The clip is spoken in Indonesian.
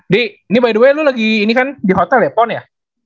di ini by the way lu lagi ini kan di hotel ya pon ya